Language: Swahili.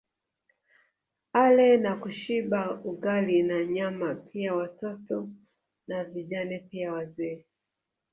Ale na kushiba Ugali na Nyama pia watoto na Vijana pia wazee